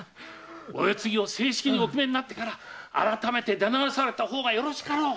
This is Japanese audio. お世継ぎを正式にお決めになり改め出直した方がよろしかろう。